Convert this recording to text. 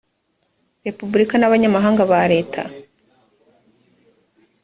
repubulika n abanyamabanga ba leta